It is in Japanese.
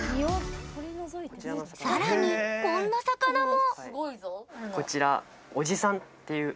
さらに、こんな魚も。